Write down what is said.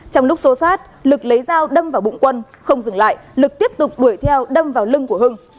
trong lúc xô sát lực lấy dao đâm vào bụng quân không dừng lại lực tiếp tục đuổi theo đâm vào lưng của hưng